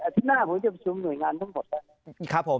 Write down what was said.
อาทิตย์หน้าผมจะประชุมหน่วยงานทั้งหมดครับผม